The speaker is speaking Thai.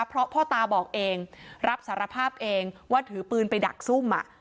เพราะพ่อตาบอกเองรับสารภาพเองว่าถือปืนไปดักซุ่ม